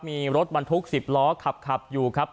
มีรถบรรทุก๑๐ล้อขับอยู่ครับ